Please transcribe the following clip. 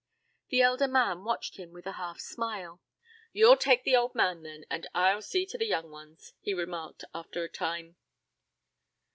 The elder man watched him with a half smile. "You'll take the old man, then, and I'll see to the young ones," he remarked after a time.